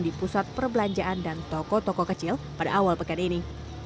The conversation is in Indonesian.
di pusat perbelanjaan dan toko toko kecil pada awal pekan ini